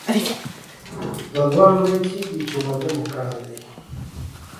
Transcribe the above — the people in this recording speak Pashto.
دا دوه اونۍ کیږي چې واده مې کړی دی.